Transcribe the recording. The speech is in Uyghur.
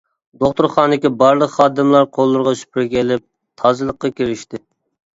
دوختۇرخانىدىكى بارلىق خادىملار قوللىرىغا سۈپۈرگە ئېلىپ تازىلىققا كىرىشتى.